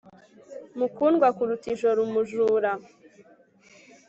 Mukundwa kuruta ijoro umujura